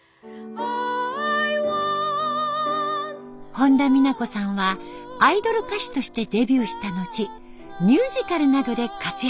本田美奈子．さんはアイドル歌手としてデビューした後ミュージカルなどで活躍。